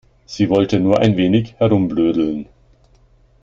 Sie wollte nur ein wenig herumblödeln.